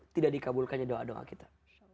tidak dikabulkannya doa doa kita